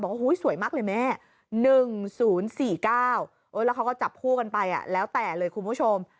สวยมากเลยแม่๑๐๔๙แล้วเขาก็จับคู่กันไปแล้วแต่เลยคุณผู้ชม